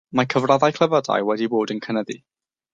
Mae cyfraddau clefydau wedi bod yn cynyddu.